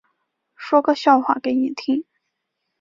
说个笑话给你听